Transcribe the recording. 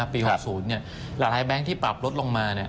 ปี๖๐หลายแบงค์ที่ปรับลดลงมา